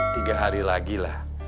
tiga hari lagi lah